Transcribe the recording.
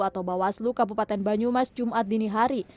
atau bawaslu kabupaten banyumas jumat dinihari